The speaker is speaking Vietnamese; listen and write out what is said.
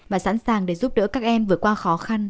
và sẵn sàng để giúp đỡ các em vượt qua khó khăn